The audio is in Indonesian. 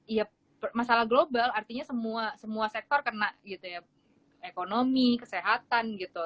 iya masalah global artinya semua sektor kena gitu ya ekonomi kesehatan gitu